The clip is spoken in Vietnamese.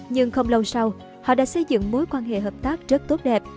nhưng không lâu sau họ đã xây dựng mối quan hệ hợp tác rất tốt đẹp